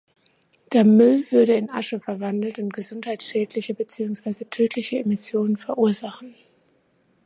Der Müll würde in Asche verwandelt und gesundheitsschädliche beziehungsweise tödliche Emissionen verursachen.